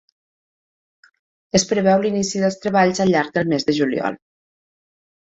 Es preveu l’inici dels treballs al llarg del mes de juliol.